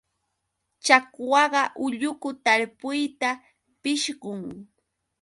Chakwaqa ulluku tarpuyta pishqun.